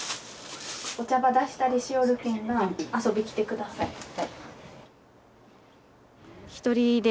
お茶ば出したりしよるけんな、遊び来てください。